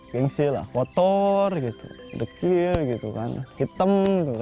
gengsi lah kotor dekil hitam